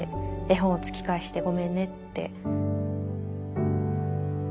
絵本を突き返してごめんねって。